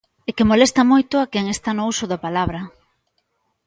É que molesta moito a quen esta no uso da palabra.